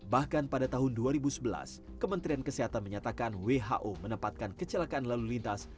bahkan pada tahun dua ribu sebelas kementerian kesehatan menyatakan who menempatkan kecelakaan lalu lintas